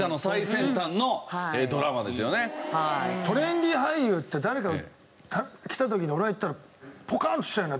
ホントにもう「トレンディ俳優」って誰かが来た時に俺が言ったらポカンとしてたよね。